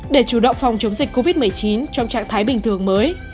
để chủ động phòng chống dịch covid một mươi chín trong trạng thái bình thường mới